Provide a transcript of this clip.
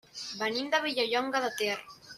Venim de Vilallonga de Ter.